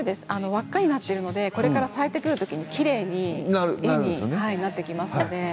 輪っかになっているのでこれから咲いてくる時にきれいになってきます。